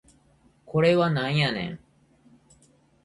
これはなんやねん